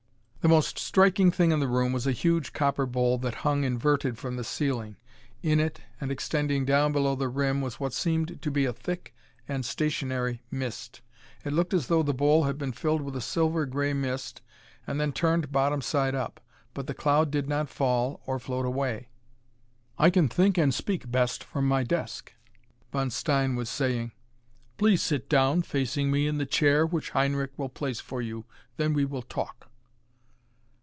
The most striking thing in the room was a huge copper bowl that hung inverted from the ceiling. In it, and extending down below the rim, was what seemed to be a thick and stationary mist. It looked as though the bowl had been filled with a silver gray mist and then turned bottom side up. But the cloud did not fall or float away. "I can think and speak best from my desk," Von Stein was saying. "Please sit down facing me in the chair which Heinrich will place for you. Then we will talk."